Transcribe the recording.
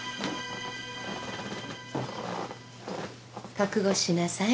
覚悟しなさい。